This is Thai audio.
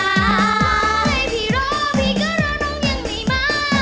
ขอให้พี่รอพี่ก็รอน้องยังไม่มา